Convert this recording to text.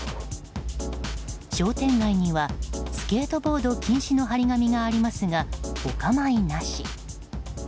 商店街にはスケートボード禁止の貼り紙がありますが、お構いなし。